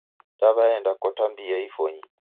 Daweenda kota mbia ifonyi